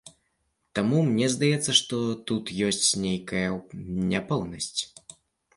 Таму мне здаецца, што тут ёсць нейкая няпэўнасць.